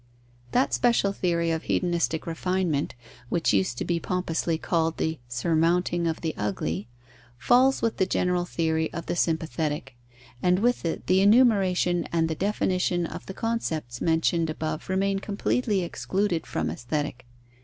That special theory of hedonistic refinement, which used to be pompously called the surmounting of the ugly, falls with the general theory of the sympathetic; and with it the enumeration and the definition of the concepts mentioned above remain completely excluded from Aesthetic.